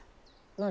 何？